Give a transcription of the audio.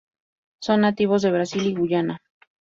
Son nativos de Brasil y Guyana.